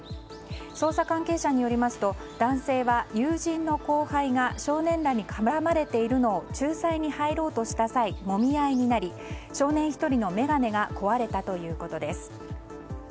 捜査関係者によりますと男性は、友人の後輩が少年らに絡まれているのを仲裁に入ろうとした際もみ合いになり、少年１人の眼鏡が壊れたということです。